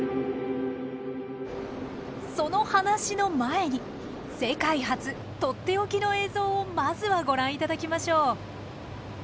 その話の前に世界初取って置きの映像をまずはご覧いただきましょう。